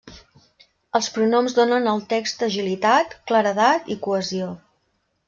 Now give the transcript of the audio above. Els pronoms donen al text agilitat, claredat i cohesió.